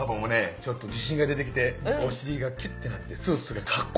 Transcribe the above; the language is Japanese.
ちょっと自信が出てきてお尻がキュッとなってスーツがカッコよく着こなせそうだ。